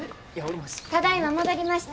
ただいま戻りました。